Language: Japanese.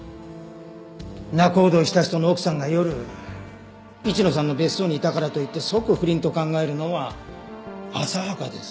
仲人した人の奥さんが夜市野さんの別荘にいたからといって即不倫と考えるのは浅はかです。